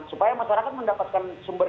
supaya masyarakat mendapatkan sumber